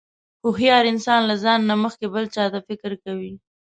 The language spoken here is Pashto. هوښیار انسان له ځان نه مخکې بل چاته فکر کوي.